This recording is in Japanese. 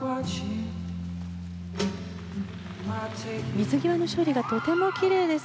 水際の処理がとてもきれいです。